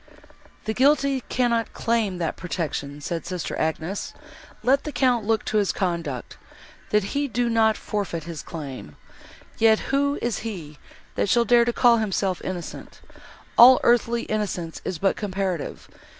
"The guilty cannot claim that protection!" said sister Agnes, "let the Count look to his conduct, that he do not forfeit his claim! Yet who is he, that shall dare to call himself innocent!—all earthly innocence is but comparative.